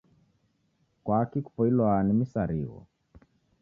Kwaki kupoilwa ni misarigho